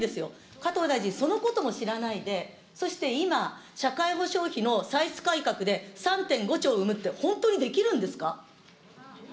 加藤大臣、そのことも知らないで、そして今、社会保障費の歳出改革で３．５兆生むって、本当にできるんですか。